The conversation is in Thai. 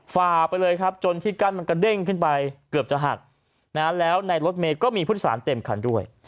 ฝ่าไปเลยครับจนที่กั้นมันกระเด้งขึ้นไปเกือบจะหักแล้วในรถเมย์ก็มีพุทธศาลเต็มคันด้วย